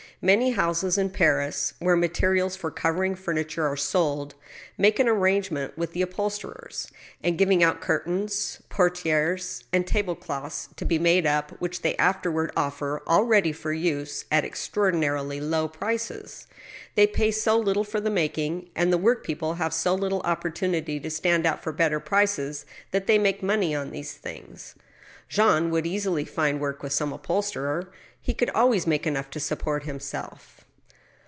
Many houses in Paris, where materials for covering furniture are sold, make an arrangement with upholsterers, and give out curtains^ portihres, and table cloths to .be made up, which they afterward offer, all ready for use, at extraordinarily low prices. They pay so little lor the making, and the work people have so little opportunity to stand out for better prices, that they make money on these things. Jean would easily find work with some upholsterer. He could always make enough to support himself.